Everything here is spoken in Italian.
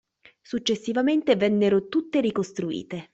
Successivamente vennero tutte ricostruite.